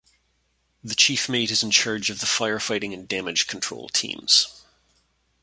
The Chief Mate is in charge of the firefighting and damage control teams.